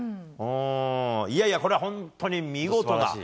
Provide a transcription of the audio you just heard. いやいや、これは本当に見事な。